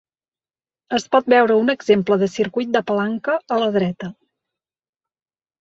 Es pot veure un exemple de circuit de palanca a la dreta.